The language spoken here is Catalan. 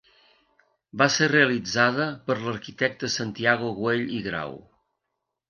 Va ser realitzada per l'arquitecte Santiago Güell i Grau.